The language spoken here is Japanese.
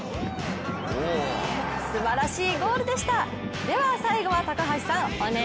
すばらしいゴールでした。